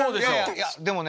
いやでもね